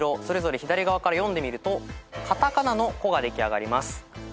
それぞれ左側から読んでみるとカタカナの「コ」が出来上がります。